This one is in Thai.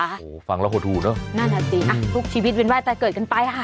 โอ้โหฟังแล้วหดหูเนอะนั่นอ่ะสิอ่ะทุกชีวิตเป็นไห้แต่เกิดกันไปค่ะ